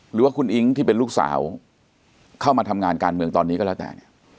หรือว่าคุณอิ๊งที่เป็นลูกสาวเข้ามาทำงานการเมืองตอนนี้ก็แล้วแต่เนี่ย